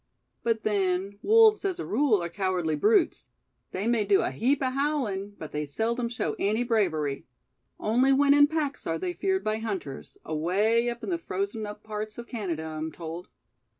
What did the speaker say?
"But then, wolves as a rule are cowardly brutes. They may do a heap of howling, but they seldom show any bravery. Only when in packs are they feared by hunters, away up in the frozen up parts of Canada, I'm told."